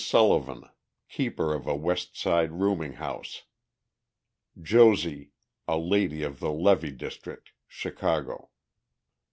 SULLIVAN, keeper of a West Side rooming house. "JOSIE," a lady of the Levee district, Chicago.